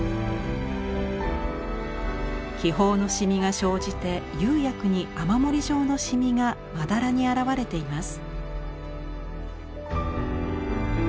気泡のしみが生じて釉薬に雨漏り状のシミがまだらにあらわれています。